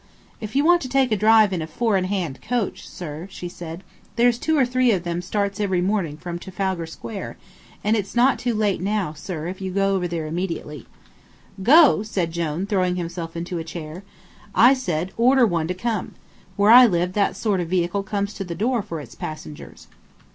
"If you want to take a drive in a four in hand coach, sir," she said, "there's two or three of them starts every morning from Trafalgar Square, and it's not too late now, sir, if you go over there immediate." "Go?" said Jone, throwing himself into a chair, "I said, order one to come. Where I live that sort of vehicle comes to the door for its passengers."